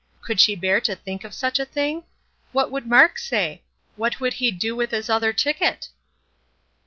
Could she bear to think of such a thing? What would Mark say? What would he do with his other ticket?